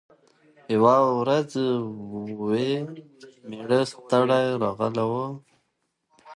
یوه ورځ یې وو مېړه ستړی راغلی